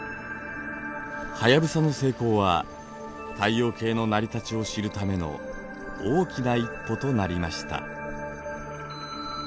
「はやぶさ」の成功は太陽系の成り立ちを知るための大きな一歩となりました。